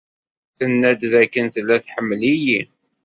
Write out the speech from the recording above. Tenna-d dakken tella tḥemmel-iyi.